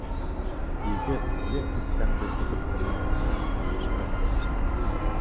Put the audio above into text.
Егет, ер кипкәнде көтөп тормайынса, эшкә кереште.